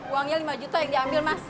uangnya lima juta yang diambil mas